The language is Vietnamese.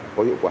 có hiệu quả